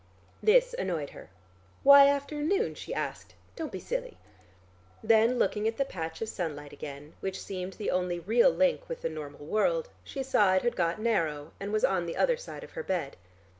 This annoyed her. "Why afternoon?" she asked. "Don't be silly." Then looking at the patch of sunlight again, which seemed the only real link with the normal world, she saw it had got narrow, and was on the other side of her bed.